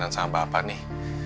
kenan sama bapak nih